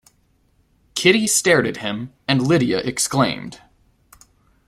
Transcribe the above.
Kitty stared at him, and Lydia exclaimed.